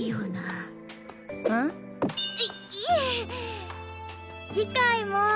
いいえ。